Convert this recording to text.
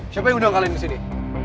siapa yang udah kalian kesini